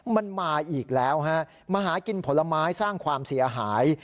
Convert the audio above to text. มันมาอีกแล้วฮะมาหากินผลไม้สร้างความเสียหาย